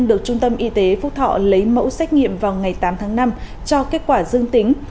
được trung tâm y tế thanh xuân lấy mẫu xét nghiệm vào ngày tám tháng năm và cho kết quả dương tính